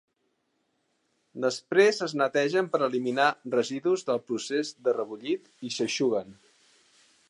Després es netegen per eliminar residus del procés de rebullit i s'eixuguen.